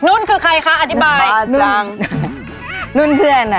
นุ่นคือใครคะอธิบายนุ่นเพื่อนอ่ะ